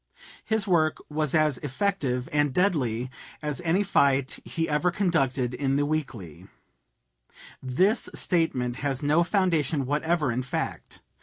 His work was as effective and deadly as any fight he ever conducted in the Weekly." This statement has no foundation whatever in fact.